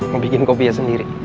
mau bikin kopinya sendiri